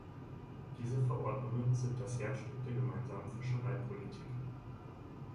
Diese Verordnungen sind das Herzstück der gemeinsamen Fischereipolitik.